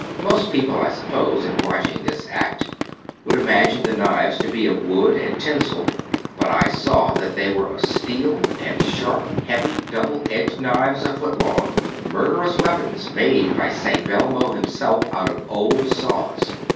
Most people, I suppose, in watching this act would imagine the knives to be of wood and tinsel, but I saw that they were of steel, and sharp, heavy double edged knives a foot long, murderous weapons made by St. Belmo himself out of old saws.